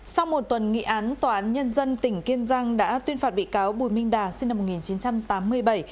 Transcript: sau một tuần nghị án tòa án nhân dân tỉnh kiên giang đã tuyên phạt bị cáo bùi minh đà sinh năm một nghìn chín trăm tám mươi bảy